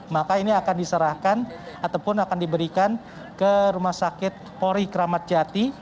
maka ini akan diserahkan ataupun akan diberikan ke rumah sakit pori kramatjati